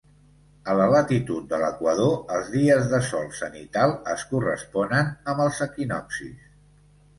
A la latitud de l'equador, els dies de sol zenital es corresponen amb els equinoccis.